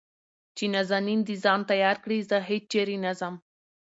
چې نازنين د ځان تيار کړي زه هېچېرې نه ځم .